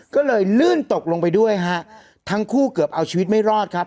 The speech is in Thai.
ก็เลยลื่นตกลงไปด้วยฮะทั้งคู่เกือบเอาชีวิตไม่รอดครับ